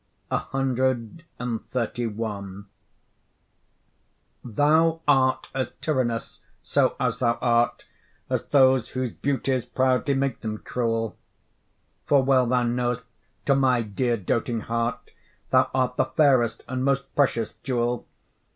CXXXI Thou art as tyrannous, so as thou art, As those whose beauties proudly make them cruel; For well thou know'st to my dear doting heart Thou art the fairest and most precious jewel.